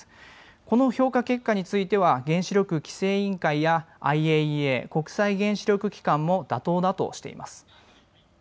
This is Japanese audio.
この評価結果については原子力規制委員会やＩＡＥＡ・国際原子力機関も妥当だとしています。